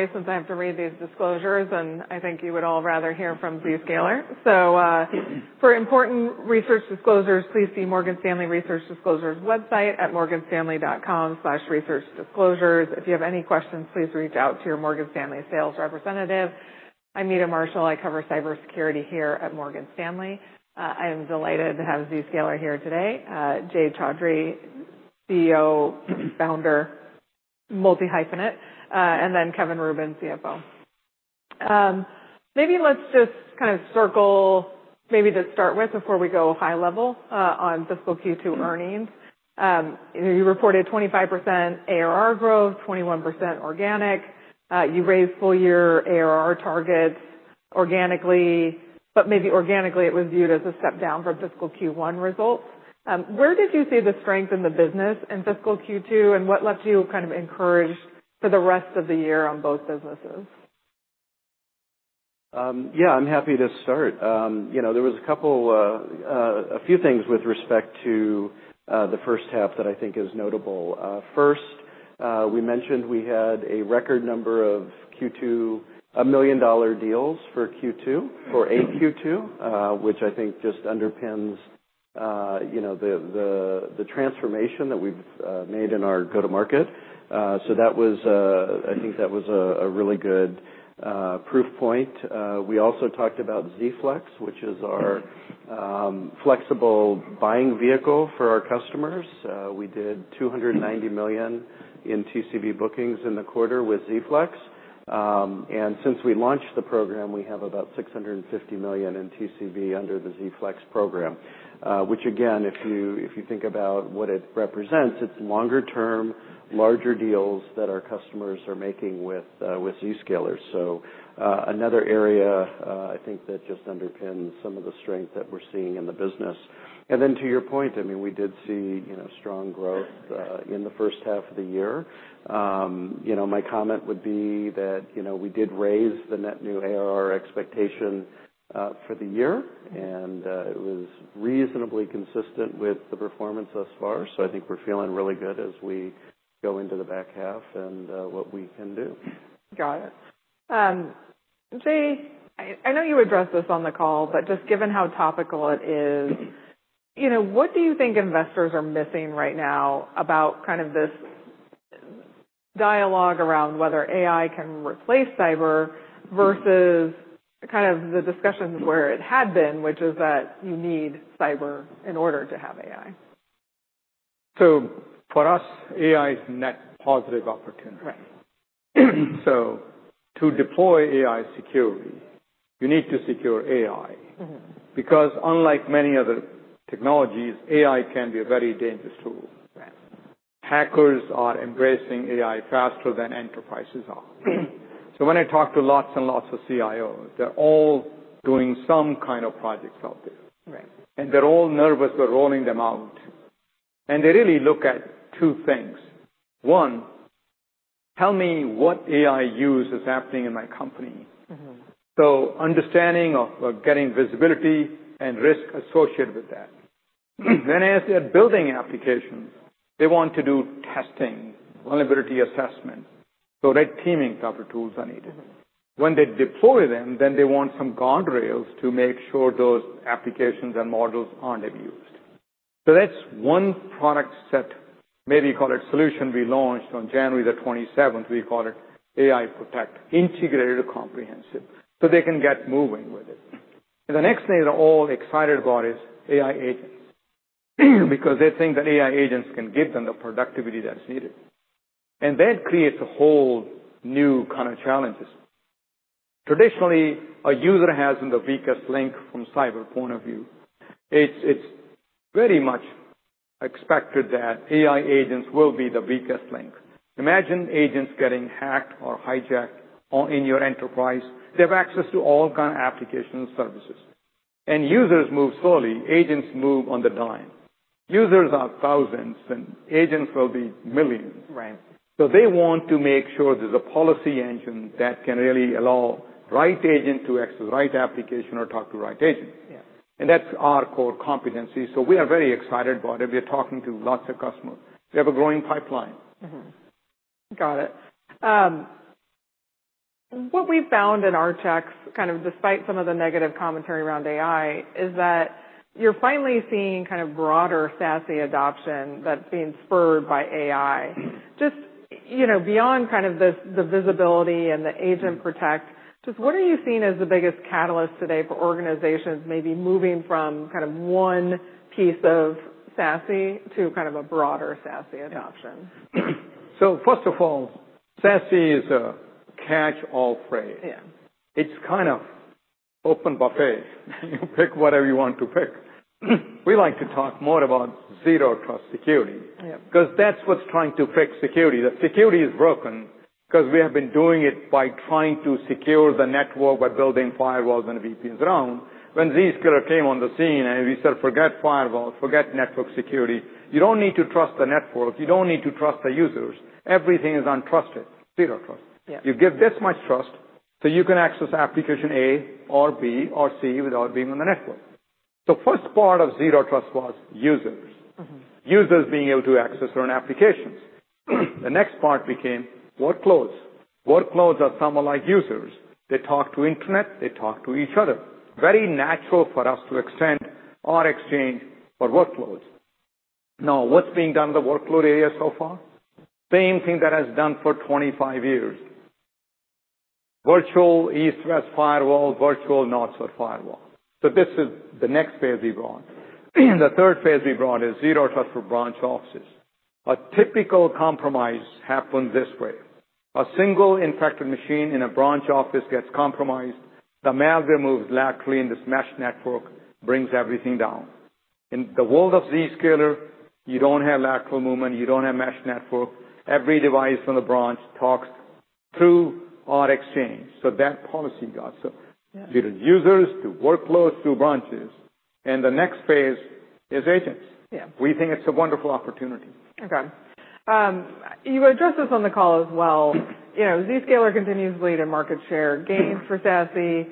Literally, since I have to read these disclosures, and I think you would all rather hear from Zscaler. For important research disclosures, please see Morgan Stanley research disclosures website at morganstanley.com/researchdisclosures. If you have any questions, please reach out to your Morgan Stanley sales representative. I'm Meta Marshall. I cover cybersecurity here at Morgan Stanley. I am delighted to have Zscaler here today. Jay Chaudhry, CEO, founder, multi-hyphenate, and then Kevin Rubin, CFO. Maybe let's just kind of circle maybe to start with before we go high level on fiscal Q2 earnings. You reported 25% ARR growth, 21% organic. You raised full year ARR targets organically, but maybe organically it was viewed as a step down from fiscal Q1 results. Where did you see the strength in the business in fiscal Q2, and what left you kind of encouraged for the rest of the year on both businesses? Yeah, I'm happy to start. You know, there was a couple, a few things with respect to the first half that I think is notable. First, we mentioned we had a record number of $1 million deals for Q2, which I think just underpins, you know, the transformation that we've made in our go-to-market. That was, I think that was a really good proof point. We also talked about Z-Flex, which is our flexible buying vehicle for our customers. We did $290 million in TCV bookings in the quarter with Z-Flex. Since we launched the program, we have about $650 million in TCV under the Z-Flex program, which again, if you think about what it represents, it's longer term, larger deals that our customers are making with Zscaler. Another area, I think that just underpins some of the strength that we're seeing in the business. To your point, I mean, we did see, you know, strong growth in the first half of the year. You know, my comment would be that, you know, we did raise the Net New ARR expectation for the year, and it was reasonably consistent with the performance thus far. I think we're feeling really good as we go into the back half and what we can do. Got it. Jay, I know you addressed this on the call, just given how topical it is, you know, what do you think investors are missing right now about kind of this dialogue around whether AI can replace cyber versus kind of the discussions where it had been, which is that you need cyber in order to have AI? For us, AI is net positive opportunity. Right. To deploy AI security, you need to secure AI. Mm-hmm. Unlike many other technologies, AI can be a very dangerous tool. Right. Hackers are embracing AI faster than enterprises are. When I talk to lots and lots of CIOs, they're all doing some kind of projects out there. Right. They're all nervous about rolling them out. They really look at two things. One, tell me what AI use is happening in my company. Mm-hmm. Understanding of getting visibility and risk associated with that. As they're building applications, they want to do testing, vulnerability assessment, so Red teaming type of tools are needed. When they deploy them, then they want some guardrails to make sure those applications and models aren't abused. That's 1 product set, maybe call it solution we launched on January 27th. We call it AI Protect, integrated, comprehensive, so they can get moving with it. The next thing they're all excited about is AI agents because they think that AI agents can give them the productivity that's needed. That creates a whole new kind of challenges. Traditionally, a user has been the weakest link from cyber point of view. It's very much expected that AI agents will be the weakest link. Imagine agents getting hacked or hijacked in your enterprise. They have access to all kind of applications and services. Users move slowly, agents move on the dime. Users are thousands, and agents will be millions. Right. They want to make sure there's a policy engine that can really allow right agent to access right application or talk to right agent. Yeah. That's our core competency. We are very excited about it. We are talking to lots of customers. We have a growing pipeline. Got it. What we found in our checks, kind of despite some of the negative commentary around AI, is that you're finally seeing kind of broader SASE adoption that's being spurred by AI. Just, you know, beyond kind of this, the visibility and the APT protect, just what are you seeing as the biggest catalyst today for organizations maybe moving from kind of one piece of SASE to kind of a broader SASE adoption? First of all, SASE is a catch-all phrase. Yeah. It's kind of open buffet. You pick whatever you want to pick. We like to talk more about Zero Trust security. Yeah. That's what's trying to break security. The security is broken because we have been doing it by trying to secure the network by building firewalls and VPNs around. When Zscaler came on the scene and we said, "Forget firewalls, forget network security. You don't need to trust the networks. You don't need to trust the users. Everything is untrusted. Zero Trust. Yeah. You give this much trust, you can access application A or B or C without being on the network. The first part of Zero Trust was users. Users being able to access certain applications. The next part became workloads. Workloads are similar like users. They talk to internet, they talk to each other. Very natural for us to extend our Exchange for workloads. What's being done in the workload area so far? Same thing that has done for 25 years. Virtual east-west firewall, virtual north-south firewall. This is the next phase we brought. The third phase we brought is Zero Trust for branch offices. A typical compromise happens this way. A single infected machine in a branch office gets compromised, the malware moves laterally in this mesh network, brings everything down. In the world of Zscaler, you don't have lateral movement, you don't have mesh network. Every device on the branch talks through our Exchange- Yeah. -to users, to workloads, to branches, and the next phase is agents. Yeah. We think it's a wonderful opportunity. You addressed this on the call as well. You know, Zscaler continues to lead in market share gains for SASE.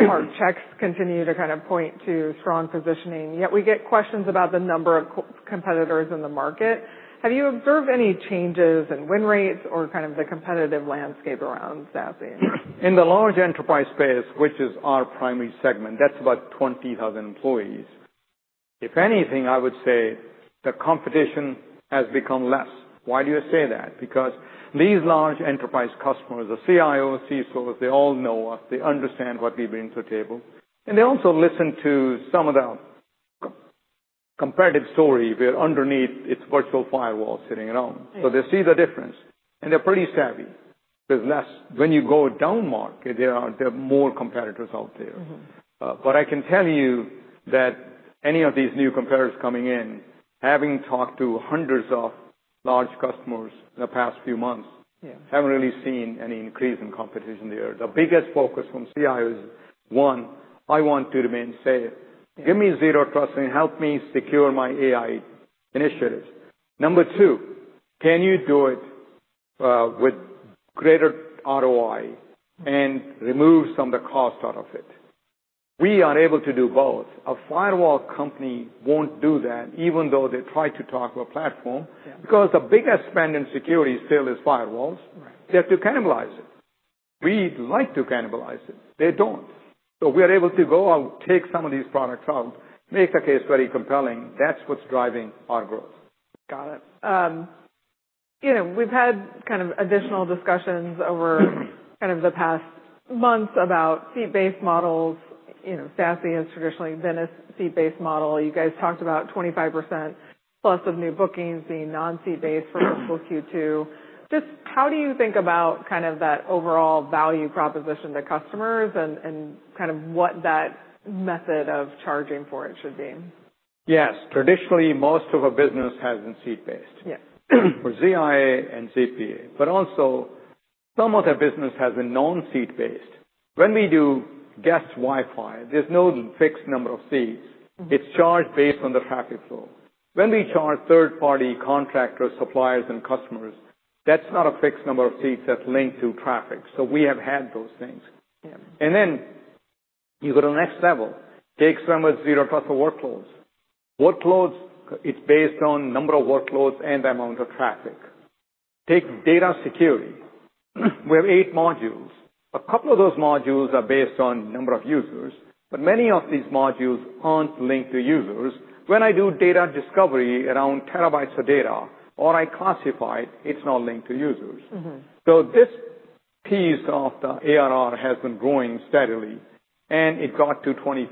Our checks continue to kind of point to strong positioning, yet we get questions about the number of competitors in the market. Have you observed any changes in win rates or kind of the competitive landscape around SASE? In the large enterprise space, which is our primary segment, that's about 20,000 employees, if anything, I would say the competition has become less. Why do you say that? These large enterprise customers, the CIO, CSOs, they all know us. They understand what we bring to the table, and they also listen to some of the competitive story where underneath it's virtual firewall sitting around. Yeah. They see the difference, and they're pretty savvy. There's less. When you go downmarket, there are more competitors out there. Mm-hmm. I can tell you that any of these new competitors coming in, having talked to hundreds of large customers in the past few months. Yeah. haven't really seen any increase in competition there. The biggest focus from CIO is, one, I want to remain safe. Give me Zero Trust and help me secure my AI initiatives. Number two, can you do it with greater ROI and remove some of the cost out of it? We are able to do both. A firewall company won't do that even though they try to talk to a platform. Yeah. The biggest spend in security still is firewalls. Right. They have to cannibalize it. We'd like to cannibalize it. They don't. We are able to go out, take some of these products out, make the case very compelling. That's what's driving our growth. Got it. you know, we've had kind of additional discussions over kind of the past months about seat-based models. You know, SASE has traditionally been a seat-based model. You guys talked about 25% plus of new bookings being non-seat based for fiscal Q2. Just how do you think about kind of that overall value proposition to customers and kind of what that method of charging for it should be? Yes. Traditionally, most of our business has been seat-based. Yeah. For ZIA and ZPA, but also some of the business has been non-seat based. When we do guest Wi-Fi, there's no fixed number of seats. Mm-hmm. It's charged based on the traffic flow. When we charge third party contractors, suppliers, and customers, that's not a fixed number of seats, that's linked to traffic. We have had those things. Yeah. Then you go to the next level. Take some of Zero Trust workloads. Workloads, it's based on number of workloads and amount of traffic. Take data security. We have 8 modules. A couple of those modules are based on number of users, but many of these modules aren't linked to users. When I do data discovery around terabytes of data or I classify it's not linked to users. Mm-hmm. This piece of the ARR has been growing steadily, and it got to 25%.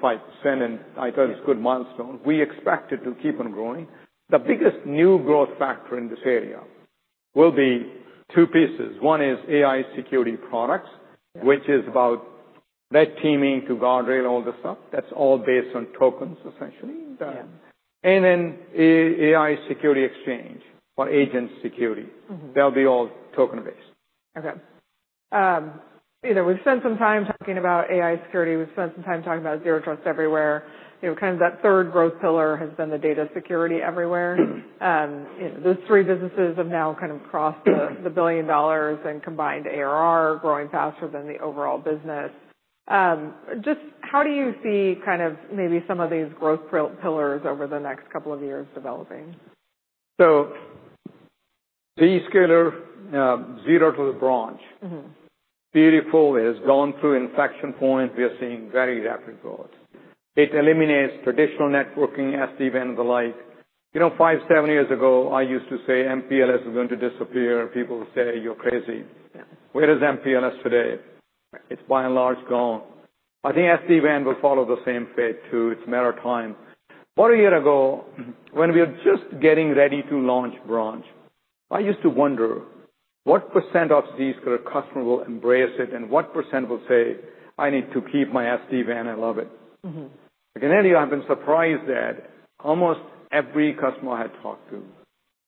I thought it's a good milestone. We expect it to keep on growing. The biggest new growth factor in this area will be two pieces. One is AI security products. Yeah. which is about red teaming to guardrail all the stuff. That's all based on tokens, essentially. Yeah. AI Security Suite or agent security. Mm-hmm. They'll be all token-based. Okay. You know, we've spent some time talking about AI Security. We've spent some time talking about Zero Trust everywhere. You know, kind of that third growth pillars has been the Data Security everywhere. Those three businesses have now kind of crossed the $1 billion in combined ARR growing faster than the overall business. Just how do you see kind of maybe some of these growth pillars over the next couple of years developing? Zscaler, Zero to the Branch. Mm-hmm. Beautiful. It has gone through inflection point. We are seeing very rapid growth. It eliminates traditional networking, SD-WAN, and the like. You know, five, seven years ago, I used to say MPLS is going to disappear. People say, "You're crazy. Yeah. Where is MPLS today? It's by and large gone. I think SD-WAN will follow the same fate, too. It's a matter of time. One year ago, when we were just getting ready to launch Branch, I used to wonder what percent of Zscaler customer will embrace it and what percent will say, "I need to keep my SD-WAN. I love it. Mm-hmm. Again, I've been surprised that almost every customer I talked to,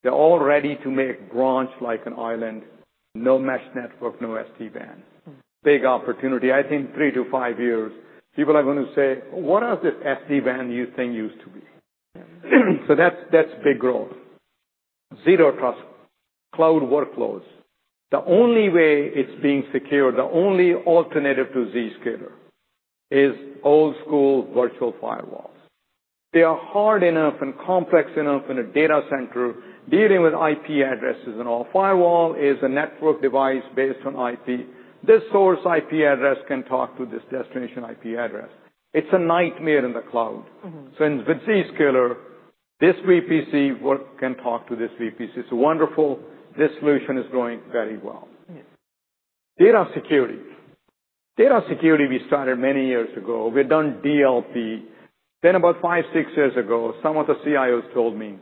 they're all ready to make Branch like an island. No mesh network, no SD-WAN. Mm. Big opportunity. I think 3-5 years, people are gonna say, "What is this SD-WAN you thing used to be? Yeah. That's big growth. Zero Trust cloud workloads. The only way it's being secured, the only alternative to Zscaler is old school virtual firewalls. They are hard enough and complex enough in a data center dealing with IP addresses and all. Firewall is a network device based on IP. This source IP address can talk to this destination IP address. It's a nightmare in the cloud. Mm-hmm. With Zscaler, this VPC work can talk to this VPC. It's wonderful. This solution is growing very well. Yeah. Data security. Data security we started many years ago. We've done DLP. About 5, 6 years ago, some of the CIOs told me,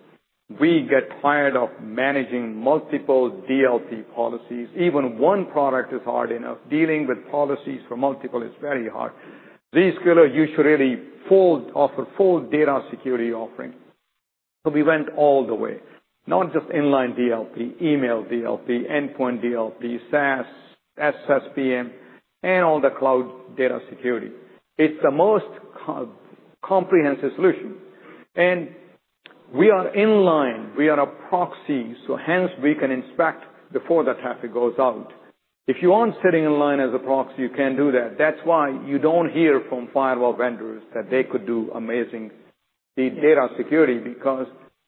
"We get tired of managing multiple DLP policies. Even one product is hard enough. Dealing with policies for multiple is very hard. Zscaler, you should really offer full data security offering." We went all the way, not just inline DLP, email DLP, endpoint DLP, SaaS, SSPM, and all the cloud data security. It's the most comprehensive solution. We are in line, we are a proxy, so hence we can inspect before the traffic goes out. If you aren't sitting in line as a proxy, you can't do that. That's why you don't hear from firewall vendors that they could do amazing data security because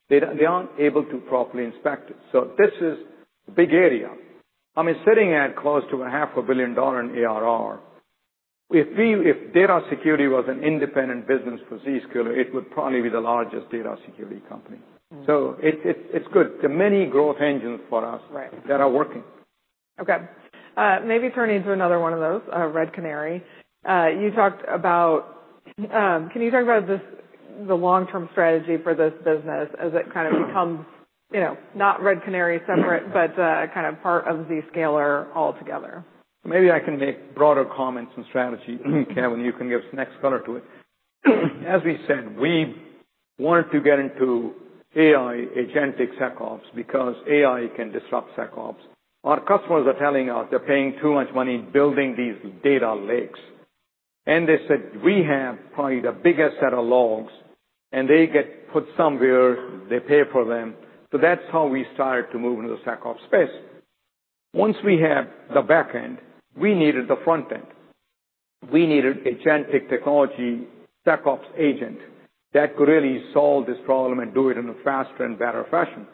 they aren't able to properly inspect it. This is a big area. I mean, sitting at close to a half a billion dollar in ARR. We feel if data security was an independent business for Zscaler, it would probably be the largest data security company. Mm-hmm. It's good. There are many growth engines for us. Right. that are working. Maybe turning to another one of those, Red Canary, can you talk about this, the long-term strategy for this business as it kind of becomes, you know, not Red Canary separate, but kind of part of Zscaler altogether? Maybe I can make broader comments on strategy, Kevin, you can give next color to it. As we said, we want to get into AI agentic SecOps because AI can disrupt SecOps. Our customers are telling us they're paying too much money building these data lakes. They said we have probably the biggest set of logs, and they get put somewhere, they pay for them. That's how we started to move into the SecOps space. Once we had the back end, we needed the front end. We needed agentic technology SecOps agent that could really solve this problem and do it in a faster and better fashion.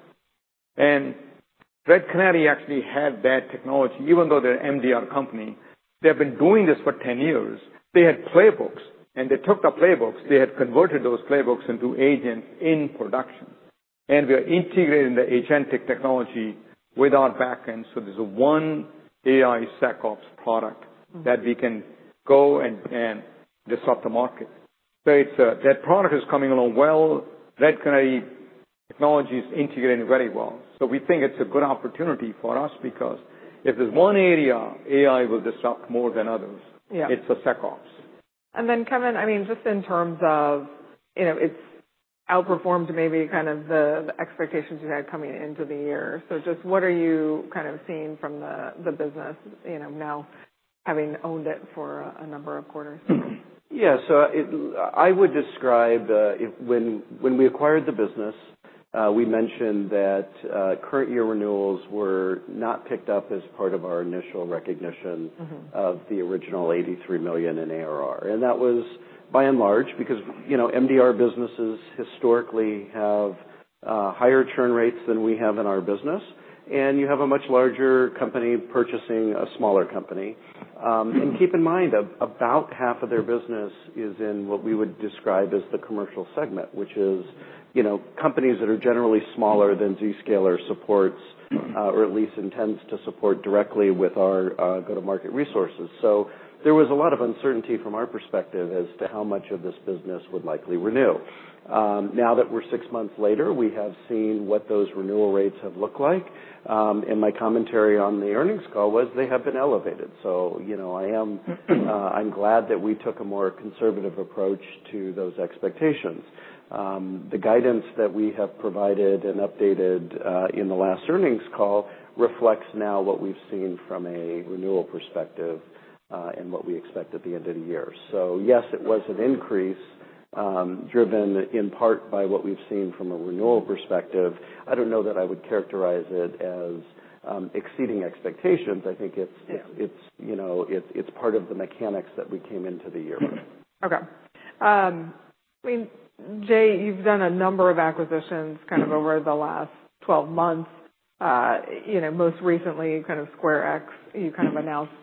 Red Canary actually had that technology. Even though they're MDR company, they've been doing this for 10 years. They had playbooks, and they took the playbooks, they had converted those playbooks into agents in production. We are integrating the agentic technology with our back end, so there's one AI SecOps product- Mm-hmm. -that we can go and disrupt the market. It's that product is coming along well. Red Canary technology is integrating very well. We think it's a good opportunity for us because if there's one area AI will disrupt more than others. Yeah. it's the SecOps. Kevin, I mean, just in terms of, you know, it's outperformed maybe kind of the expectations you had coming into the year. Just what are you kind of seeing from the business, you know, now having owned it for a number of quarters? Yeah. I would describe, if when we acquired the business, we mentioned that, current year renewals were not picked up as part of our initial recognition. Mm-hmm. Of the original $83 million in ARR. That was by and large, because, you know, MDR businesses historically have higher churn rates than we have in our business. You have a much larger company purchasing a smaller company. Keep in mind about half of their business is in what we would describe as the commercial segment, which is, you know, companies that are generally smaller than Zscaler supports, or at least intends to support directly with our go-to-market resources. There was a lot of uncertainty from our perspective as to how much of this business would likely renew. Now that we're six months later, we have seen what those renewal rates have looked like. My commentary on the earnings call was they have been elevated. you know, I am, I'm glad that we took a more conservative approach to those expectations. The guidance that we have provided and updated in the last earnings call reflects now what we've seen from a renewal perspective, and what we expect at the end of the year. Yes, it was an increase, driven in part by what we've seen from a renewal perspective. I don't know that I would characterize it as exceeding expectations. I think it's. Yeah. It's, you know, it's part of the mechanics that we came into the year with. Okay. I mean, Jay, you've done a number of acquisitions kind of over the last 12 months. You know, most recently kind of SquareX, you kind of announced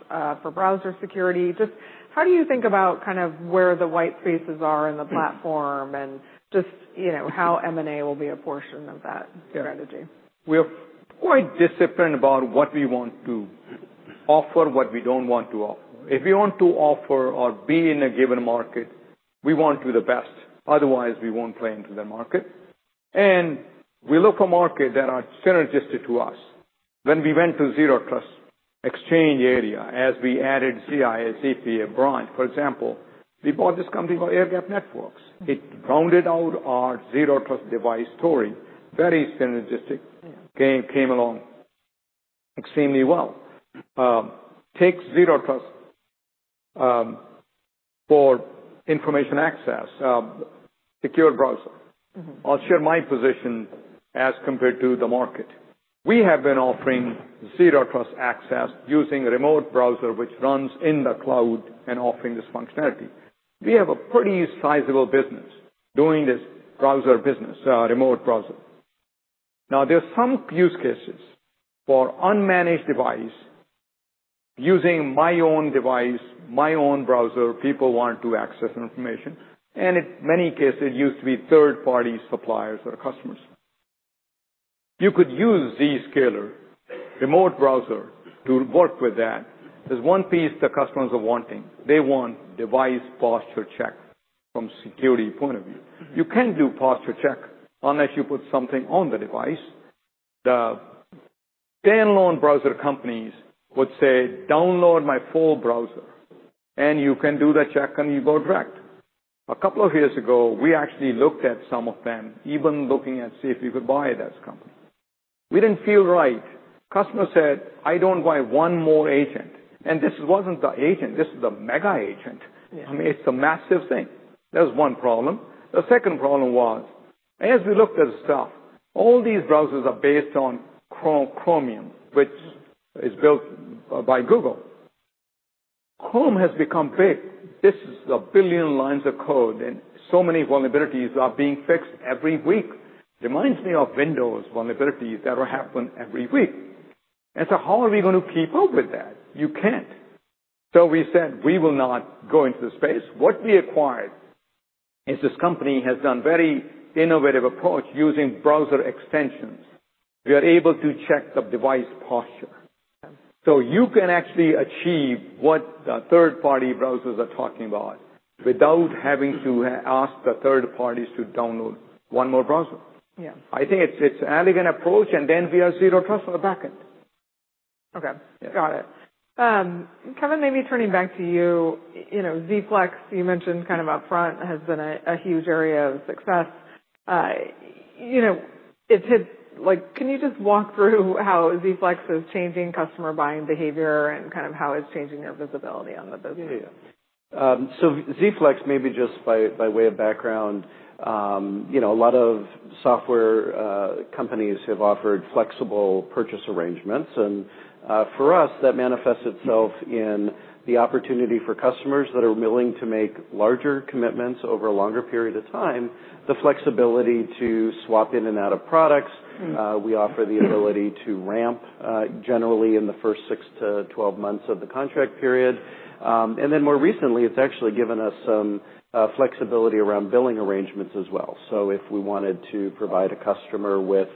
for browser security. Just how do you think about kind of where the white spaces are in the platform and just, you know, how M&A will be a portion of that strategy? We're quite disciplined about what we want to offer, what we don't want to offer. If we want to offer or be in a given market, we want to be the best, otherwise we won't play into the market. We look for market that are synergistic to us. When we went to Zero Trust Exchange area, as we added CISA, APT, Branch, for example, we bought this company called Airgap Networks. It rounded out our Zero Trust device story. Very synergistic. Yeah. Came along extremely well. Take Zero Trust, for information access, secure browser. Mm-hmm. I'll share my position as compared to the market. We have been offering Zero Trust access using a remote browser which runs in the cloud and offering this functionality. We have a pretty sizable business doing this browser business, remote browser. There's some use cases for unmanaged device using my own device, my own browser, people want to access information, and in many cases, it used to be third-party suppliers or customers. You could use Zscaler remote browser to work with that. There's one piece the customers are wanting. They want device posture check from security point of view. You can't do posture check unless you put something on the device. The standalone browser companies would say, "Download my full browser," and you can do the check, and you go direct. A couple of years ago, we actually looked at some of them, even looking at see if we could buy this company. We didn't feel right. Customer said, "I don't want one more agent." This wasn't the agent, this is the mega agent. Yeah. I mean, it's a massive thing. That's one problem. The second problem was, as we looked at the stuff, all these browsers are based on Chromium, which is built by Google. Chrome has become big. This is 1 billion lines of code, and so many vulnerabilities are being fixed every week. Reminds me of Windows vulnerabilities that'll happen every week. How are we gonna keep up with that? You can't. We said we will not go into the space. What we acquired is this company has done very innovative approach using browser extensions. We are able to check the device posture. Okay. you can actually achieve what the third-party browsers are talking about without having to ask the third parties to download one more browser. Yeah. I think it's elegant approach, and then we are Zero Trust on the back end. Okay. Yeah. Got it. Kevin, maybe turning back to you. You know, Z-Flex, you mentioned kind of upfront, has been a huge area of success. You know, Like, can you just walk through how Z-Flex is changing customer buying behavior and kind of how it's changing your visibility on the business? Yeah. Z-Flex, maybe just by way of background, you know, a lot of software companies have offered flexible purchase arrangements. For us, that manifests itself in the opportunity for customers that are willing to make larger commitments over a longer period of time, the flexibility to swap in and out of products. Mm. We offer the ability to ramp, generally in the first 6 to 12 months of the contract period. Then more recently, it's actually given us some flexibility around billing arrangements as well. If we wanted to provide a customer with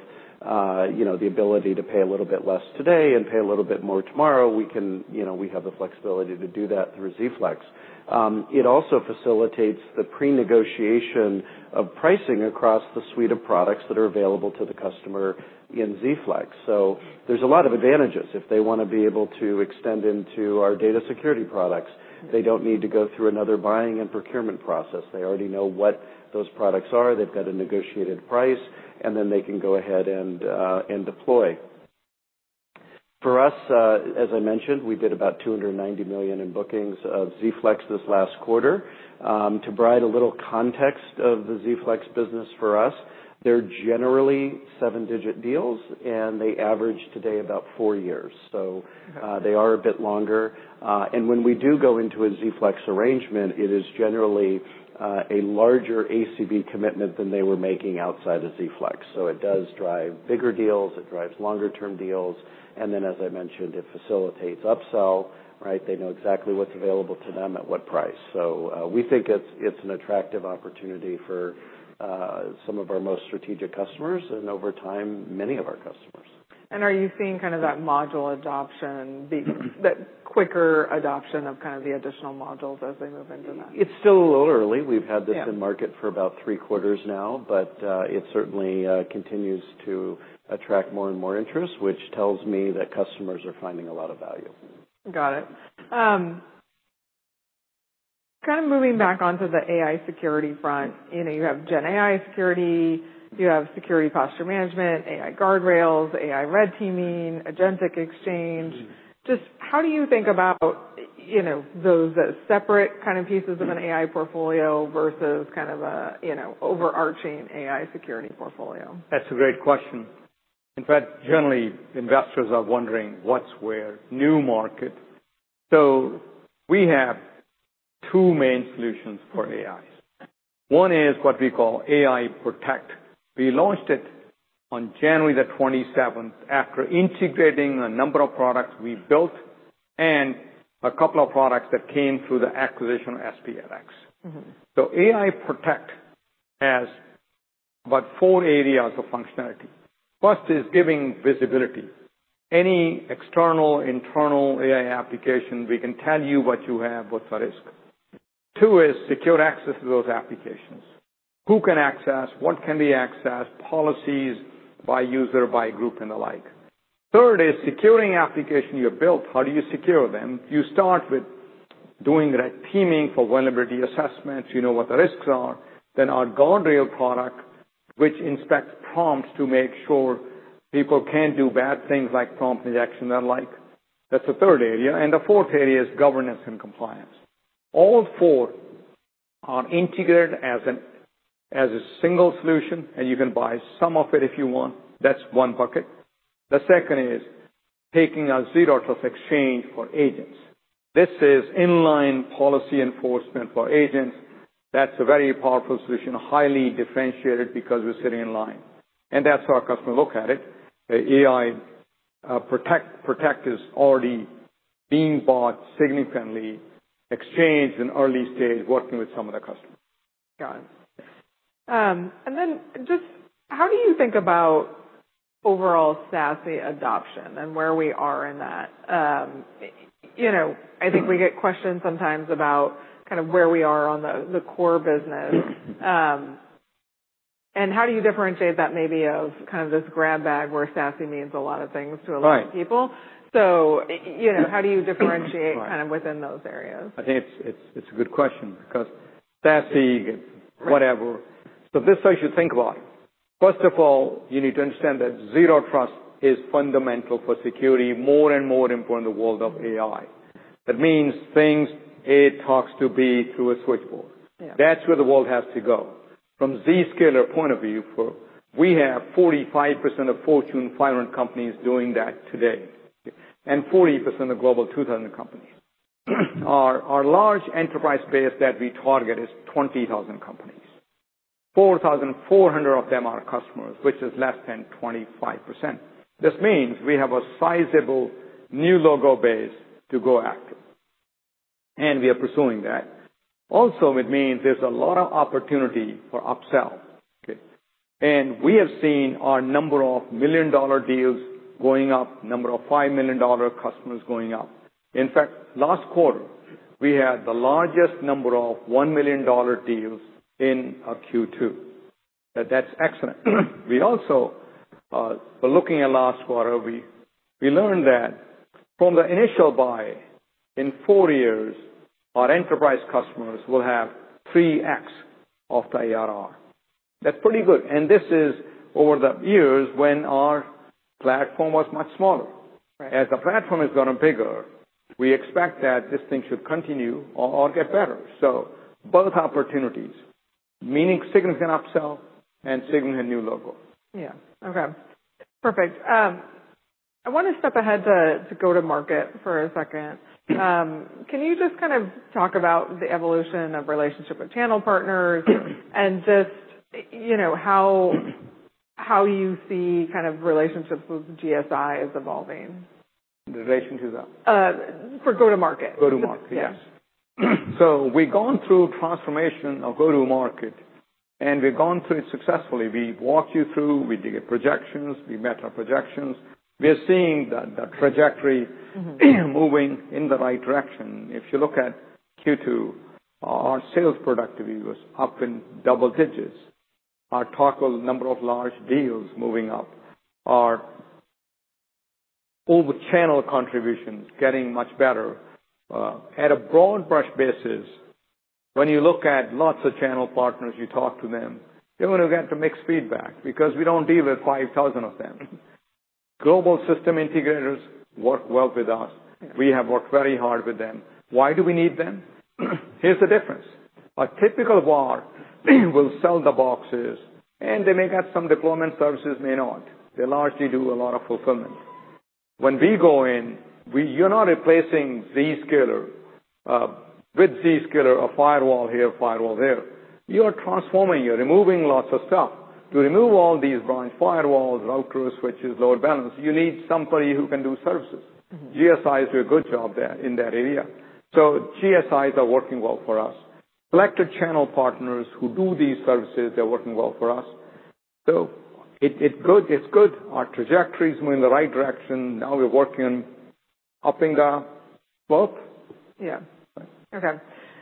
the ability to pay a little bit less today and pay a little bit more tomorrow, we can, we have the flexibility to do that through Z Flex. It also facilitates the pre-negotiation of pricing across the suite of products that are available to the customer in Z Flex. There's a lot of advantages. If they wanna be able to extend into our data security products, they don't need to go through another buying and procurement process. They already know what those products are, they've got a negotiated price, and then they can go ahead and deploy. For us, as I mentioned, we did about $290 million in bookings of Z-Flex this last quarter. To provide a little context of the Z-Flex business for us, they're generally 7-digit deals, and they average today about 4 years. They are a bit longer. When we do go into a Z-Flex arrangement, it is generally a larger ACV commitment than they were making outside of Z-Flex. It does drive bigger deals, it drives longer-term deals, and then, as I mentioned, it facilitates upsell, right. They know exactly what's available to them at what price. We think it's an attractive opportunity for, some of our most strategic customers, and over time, many of our customers. Are you seeing kind of that module adoption the quicker adoption of kind of the additional modules as they move into that? It's still a little early. Yeah. We've had this in market for about three quarters now. It certainly continues to attract more and more interest, which tells me that customers are finding a lot of value. Got it. Kind of moving back onto the AI security front. You know, you have GenAI security, you have security posture management, AI guardrails, AI red teaming, agentic AI. Just how do you think about, you know, those separate kind of pieces of an AI portfolio versus kind of a, you know, overarching AI security portfolio? That's a great question. In fact, generally, investors are wondering what's where, new market. We have two main solutions for AI. One is what we call AI Protect. We launched it on January the 27th after integrating a number of products we built and a couple of products that came through the acquisition of SPLX. Mm-hmm. AI Protect has about four areas of functionality. First is giving visibility. Any external, internal AI application, we can tell you what you have, what's at risk. Two is secure access to those applications. Who can access, what can be accessed, policies by user, by group, and the like. Third is securing application you built. How do you secure them? Doing the red teaming for vulnerability assessments, you know what the risks are. Our guardrail product, which inspects prompts to make sure people can't do bad things like prompt injection and the like. That's the third area, and the fourth area is governance and compliance. All four are integrated as a single solution, and you can buy some of it if you want. That's one bucket. The second is taking our Zero Trust Exchange for agents. This is inline policy enforcement for agents. That's a very powerful solution, highly differentiated because we're sitting in line, and that's how our customers look at it. The AI protect is already being bought significantly. Exchange in early stage, working with some of the customers. Got it. Just how do you think about overall SASE adoption and where we are in that? You know, I think we get questions sometimes about kind of where we are on the core business. How do you differentiate that maybe of kind of this grab bag where SASE means a lot of things to a lot of people? Right. you know, how do you differentiate kind of within those areas? I think it's a good question because SASE, whatever. This is what you think about. First of all, you need to understand that Zero Trust is fundamental for security, more and more important in the world of AI. That means things A talks to B through a switchboard. Yeah. That's where the world has to go. From Zscaler point of view, we have 45% of Fortune 500 companies doing that today, and 40% of Global 2000 companies. Our large enterprise base that we target is 20,000 companies. 4,400 of them are customers, which is less than 25%. This means we have a sizable new logo base to go after, and we are pursuing that. It means there's a lot of opportunity for upsell, okay? We have seen our number of million-dollar deals going up, number of $5 million customers going up. In fact, last quarter, we had the largest number of $1 million deals in our Q2. That's excellent. We also were looking at last quarter, we learned that from the initial buy in 4 years, our enterprise customers will have 3x of the ARR. That's pretty good. This is over the years when our platform was much smaller. Right. As the platform has gotten bigger, we expect that this thing should continue or get better. Both opportunities, meaning significant upsell and significant new logo. Yeah. Okay, perfect. I wanna step ahead to go-to-market for a second. Can you just kind of talk about the evolution of relationship with channel partners and just, you know, how you see kind of relationships with GSI as evolving? In relation to the? For go-to-market. Go-to-market. Yeah. We've gone through transformation of go-to-market, and we've gone through it successfully. We walked you through. We did projections. We met our projections. We are seeing that the trajectory- Mm-hmm. Moving in the right direction. If you look at Q2, our sales productivity was up in double digits. Our total number of large deals moving up. Our over-channel contributions getting much better. At a broad brush basis, when you look at lots of channel partners, you talk to them, you're gonna get the mixed feedback because we don't deal with 5,000 of them. Global System Integrators work well with us. We have worked very hard with them. Why do we need them? Here's the difference. A typical VAR will sell the boxes, and they may get some deployment services, may not. They largely do a lot of fulfillment. When we go in, you're not replacing Zscaler with Zscaler, a firewall here, firewall there. You're transforming. You're removing lots of stuff. To remove all these firewalls, routers, switches, load balance, you need somebody who can do services. GSIs do a good job there in that area. GSIs are working well for us. Selected channel partners who do these services, they're working well for us. It's good. Our trajectory is moving in the right direction. Now we're working upping the boat. Yeah. Okay.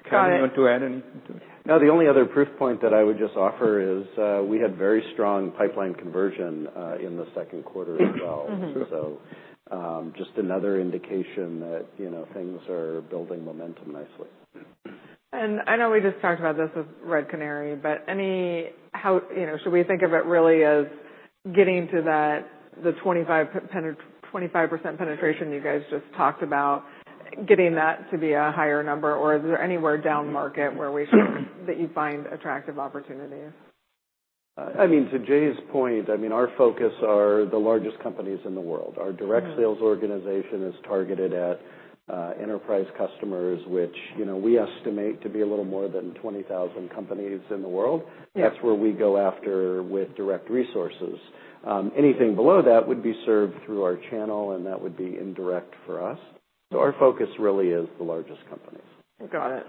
Kevin, you want to add anything to this? No, the only other proof point that I would just offer is, we had very strong pipeline conversion, in the second quarter as well. Mm-hmm. Just another indication that, you know, things are building momentum nicely. I know we just talked about this with Red Canary, but any how, you know, should we think of it really as getting to that, the 25% penetration you guys just talked about, getting that to be a higher number, or is there anywhere down market where we can... that you find attractive opportunities? I mean, to Jay's point, I mean, our focus are the largest companies in the world. Our direct sales organization is targeted at enterprise customers, which, you know, we estimate to be a little more than 20,000 companies in the world. Yeah. That's where we go after with direct resources. Anything below that would be served through our channel, and that would be indirect for us. Our focus really is the largest companies. Got it.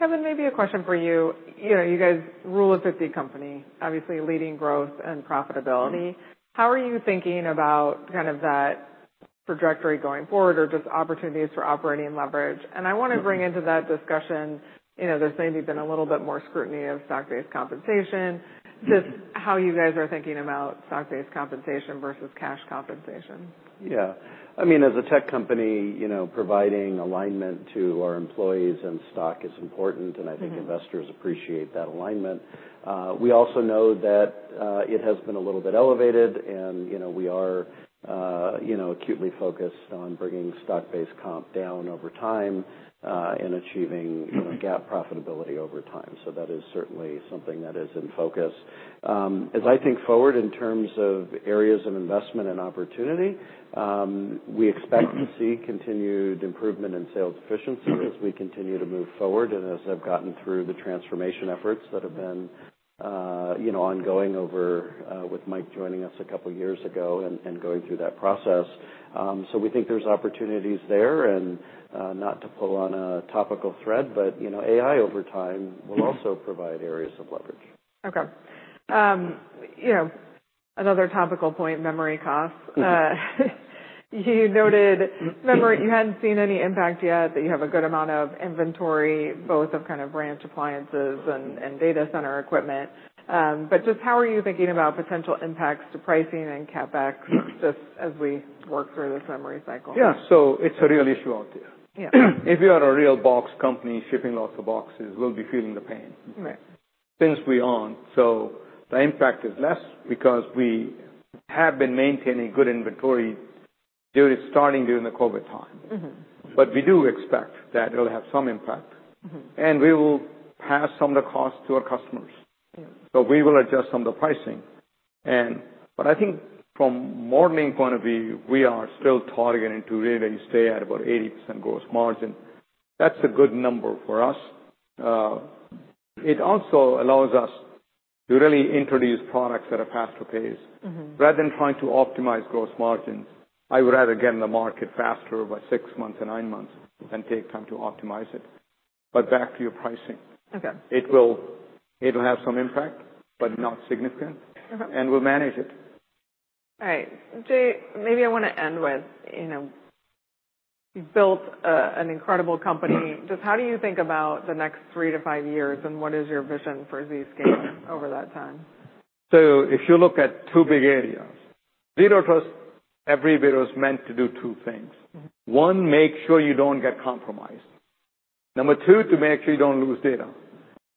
Kevin, maybe a question for you. You know, you guys Rule of 50 company, obviously leading growth and profitability. How are you thinking about kind of trajectory going forward or just opportunities for operating leverage. I want to bring into that discussion, you know, there's maybe been a little bit more scrutiny of stock-based compensation. Just how you guys are thinking about stock-based compensation versus cash compensation. Yeah. I mean, as a tech company, you know, providing alignment to our employees and stock is important, and I think investors appreciate that alignment. We also know that it has been a little bit elevated and, you know, we are, you know, acutely focused on bringing stock-based comp down over time and achieving, you know, GAAP profitability over time. That is certainly something that is in focus. As I think forward in terms of areas of investment and opportunity, we expect to see continued improvement in sales efficiency as we continue to move forward and as I've gotten through the transformation efforts that have been, you know, ongoing over with Mike joining us a couple years ago and going through that process. We think there's opportunities there and, not to pull on a topical thread, but, you know, AI over time will also provide areas of leverage. Okay. You know, another topical point, memory costs. You noted memory, you hadn't seen any impact yet, that you have a good amount of inventory, both of kind of branch appliances and data center equipment. Just how are you thinking about potential impacts to pricing and CapEx just as we work through this memory cycle? Yeah. It's a real issue out there. Yeah. If you are a real box company, shipping lots of boxes, we'll be feeling the pain. Right. Since we aren't, so the impact is less because we have been maintaining good inventory starting during the COVID time. Mm-hmm. We do expect that it'll have some impact. Mm-hmm. We will pass some of the cost to our customers. Yeah. We will adjust some of the pricing. But I think from modeling point of view, we are still targeting to really stay at about 80% gross margin. That's a good number for us. It also allows us to really introduce products that are faster pace. Mm-hmm. Rather than trying to optimize gross margins, I would rather get in the market faster by 6 months or 9 months than take time to optimize it. Back to your pricing. Okay. It will have some impact, but not significant. Uh-huh. We'll manage it. Jay, maybe I wanna end with, you know, you've built an incredible company. Just how do you think about the next three to five years, and what is your vision for Zscaler over that time? if you look at 2 big areas, Zero Trust, every bit was meant to do 2 things. Mm-hmm. One, make sure you don't get compromised. Number two, to make sure you don't lose data.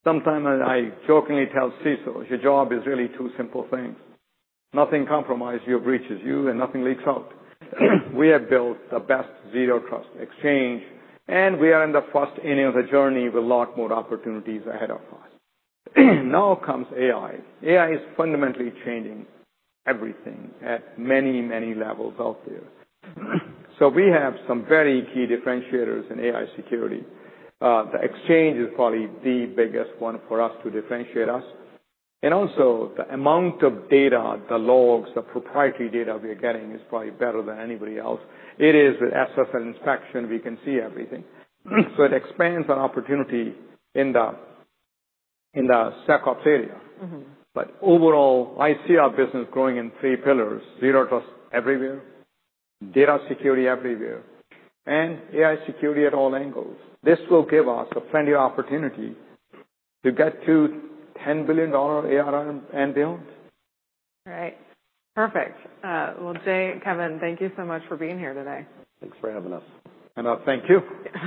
Sometimes I jokingly tell CISO, "Your job is really two simple things. Nothing compromises you or breaches you, and nothing leaks out." We have built the best Zero Trust Exchange, and we are in the first inning of a journey with a lot more opportunities ahead of us. Now comes AI. AI is fundamentally changing everything at many, many levels out there. We have some very key differentiators in AI security. The exchange is probably the biggest one for us to differentiate us. And also the amount of data, the logs, the proprietary data we are getting is probably better than anybody else. It is an SSL inspection, we can see everything. It expands an opportunity in the SecOps area. Mm-hmm. Overall, I see our business growing in three pillars: Zero Trust everywhere, data security everywhere, and AI Security at all angles. This will give us a plenty opportunity to get to $10 billion ARR and beyond. All right. Perfect. Well, Jay, Kevin, thank you so much for being here today. Thanks for having us. Thank you.